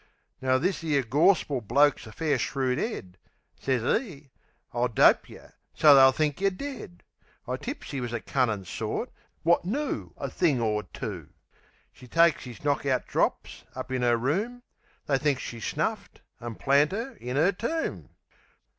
Now, this 'ere gorspil bloke's a fair shrewd 'ead. Sez 'e "I'll dope yeh, so they'll THINK yer dead." (I tips 'e was a cunnin' sort, wot knoo A thing or two.) She takes 'is knock out drops, up in 'er room: They think she's snuffed, an' plant 'er in 'er tomb.